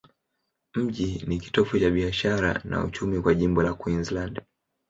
Mji ni kitovu cha biashara na uchumi kwa jimbo la Queensland.